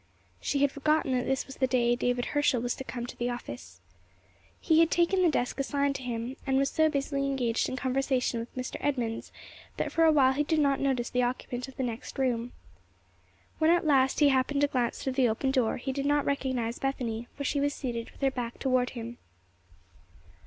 She had forgotten that this was the day David Herschel was to come into the office. He had taken the desk assigned him, and was so busily engaged in conversation with Mr. Edmunds that for a while he did not notice the occupant of the next room. When, at last, he happened to glance through the open door, he did not recognize Bethany, for she was seated with her back toward him.